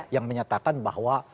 yang menyatakan bahwa